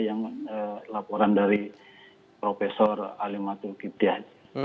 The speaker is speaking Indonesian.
yang laporan dari prof ali matul kiptyah